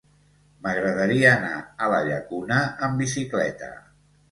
M'agradaria anar a la Llacuna amb bicicleta.